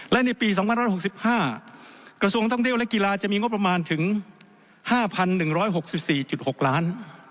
และในปี๒๑๖๕กระทรวงท่องเที่ยวและกีฬาจะมีงบประมาณถึง๕๑๖๔๖ล้าน